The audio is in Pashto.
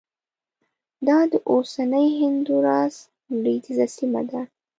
دا د اوسني هندوراس لوېدیځه سیمه ده